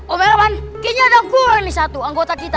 oh ini ada gue nih satu anggota kita